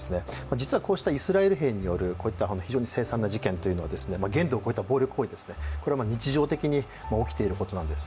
実はこうしたイスラエル兵による非常に凄惨な事件というのは、限度を超えた暴力行為日常的に起きていることなんです。